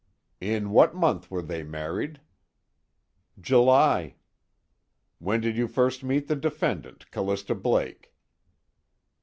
"In what month were they married?" "July." "When did you first meet the defendant, Callista Blake?"